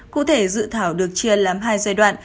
cụ thể dự thảo được chia làm hai giai đoạn